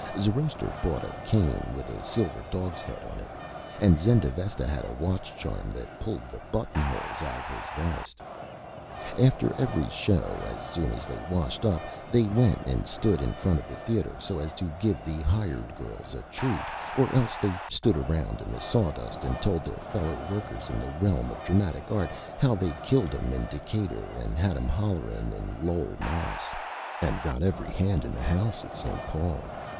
Zoroaster bought a Cane with a Silver Dog's Head on it, and Zendavesta had a Watch Charm that pulled the Buttonholes out of his Vest. [Illustration: ZOROASTER] After every Show, as soon as they Washed Up, they went and stood in front of the Theater, so as to give the Hired Girls a Treat, or else they stood around in the Sawdust and told their Fellow Workers in the Realm of Dramatic Art how they killed 'em in Decatur and had 'em hollerin' in Lowell, Mass., and got every Hand in the House at St. Paul.